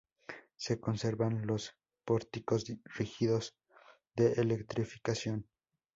Se conservan los pórticos rígidos de electrificación.